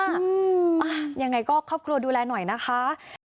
อ่ะยังไงก็ครอบครัวดูแลหน่อยนะคะ